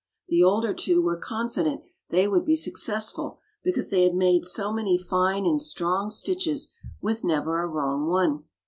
The older two were confident they would be successful because they had made so many fine and strong stitches with never a wrong one.